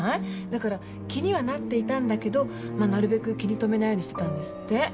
だから気にはなっていたんだけどなるべく気に留めないようにしてたんですって。